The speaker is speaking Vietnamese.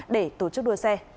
để tổ chức đua xe